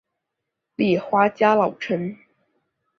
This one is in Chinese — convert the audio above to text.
立花家老臣。